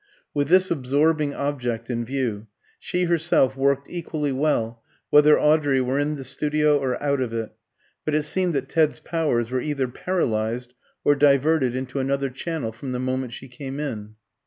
With this absorbing object in view, she herself worked equally well whether Audrey were in the studio or out of it; but it seemed that Ted's powers were either paralysed or diverted into another channel from the moment she came in.